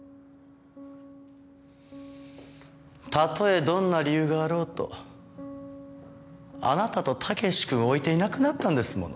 たとえどんな理由があろうとあなたと毅くんを置いていなくなったんですもの。